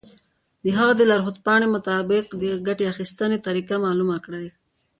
د هغه د لارښود پاڼو مطابق د ګټې اخیستنې طریقه معلومه کړئ.